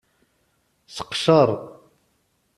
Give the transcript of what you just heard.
Seqcer.